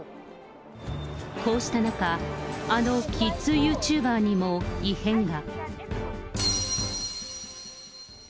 こうした中、あのキッズユーチューバーにも異変が。